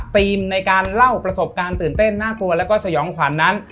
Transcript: ในการเล่าประสบการณ์ตื่นเต้นน่ากลัวแล้วก็สยองขวัญนั้น